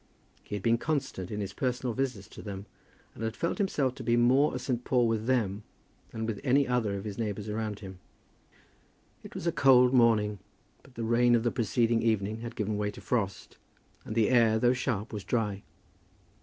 He had been constant in his personal visits to them, and had felt himself to be more a St. Paul with them than with any other of his neighbours around him. It was a cold morning, but the rain of the preceding evening had given way to frost, and the air, though sharp, was dry.